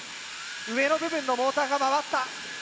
上の部分のモーターが回った。